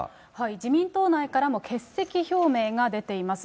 自民党内からも欠席表明が出ています。